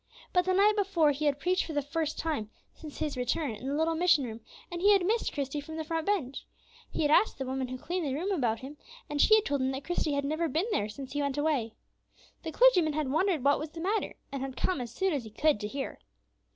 But the night before he had preached for the first time since his return in the little mission room, and he had missed Christie from the front bench. He had asked the woman who cleaned the room about him, and she had told him that Christie had never been there since he went away. The clergyman had wondered what was the matter, and had come as soon as he could to hear.